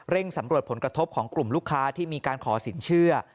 สำรวจผลกระทบของกลุ่มลูกค้าที่มีการขอสินเชื่อ